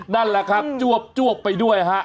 นั่นแหละครับจวบไปด้วยฮะ